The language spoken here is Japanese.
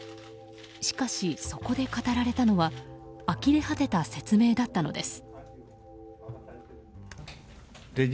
しかし、そこで語られたのはあきれ果てた説明だったのです。